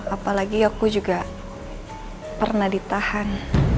apalagi aku juga pernah ditahan